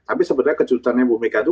tapi sebenarnya kejutannya bu mega itu